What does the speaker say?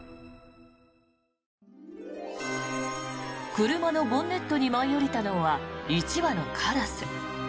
車のボンネットに舞い降りたのは、１羽のカラス。